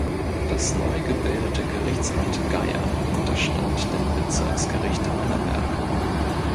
Das neu gebildete Gerichtsamt Geyer unterstand dem Bezirksgericht Annaberg.